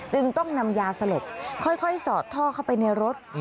จึงต้องนำยาสลบค่อยสอดท่อเข้าไปในรถ